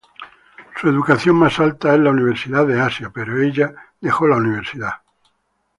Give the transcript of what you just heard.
Su educación más alta es la Universidad de Asia, pero ella dejó la universidad.